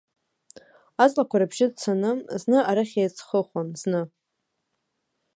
Аҵлақәа рыбжьы цаны, зны арахь еицхыхәон, зны.